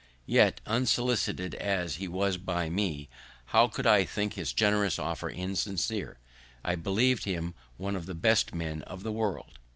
Yet, unsolicited as he was by me, how could I think his generous offers insincere? I believ'd him one of the best men in the world.